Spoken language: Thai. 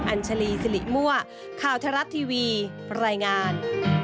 อัญชลีสิริมั่วข่าวทรัฐทีวีรายงาน